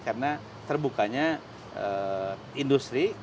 karena terbukanya industri